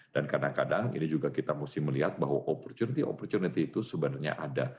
kadang kadang ini juga kita mesti melihat bahwa opportunity opportunity itu sebenarnya ada